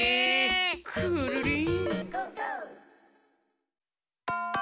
くるりん。